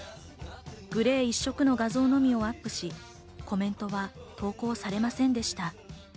グレー１色の画像のみをアップし、コメントは投稿されませんでした。